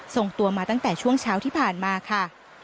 ส่งตัวมาตั้งแต่ช่วงเช้าที่ผ่านมาค่ะ